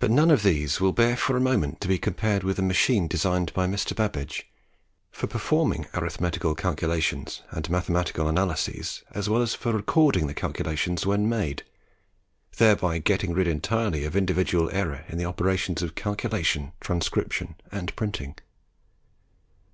But none of these will bear for a moment to be compared with the machine designed by Mr. Babbage for performing arithmetical calculations and mathematical analyses, as well as for recording the calculations when made, thereby getting rid entirely of individual error in the operations of calculation, transcription, and printing.